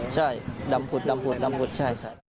ใช่ดำหุดใช่